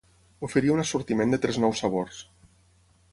Oferia un assortiment de tres nous sabors.